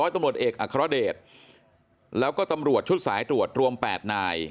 ตำรวจเอกอัครเดชแล้วก็ตำรวจชุดสายตรวจรวม๘นาย